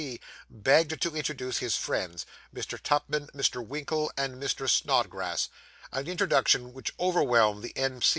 C., begged to introduce his friends, Mr. Tupman, Mr. Winkle, and Mr. Snodgrass. An introduction which overwhelmed the M.